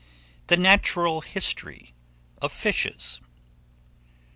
THE NATURAL HISTORY OF FISHES.